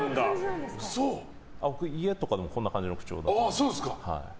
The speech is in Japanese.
家とかでも僕、こんな感じの口調なので。